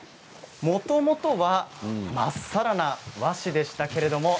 もともとは真っさらな和紙でした。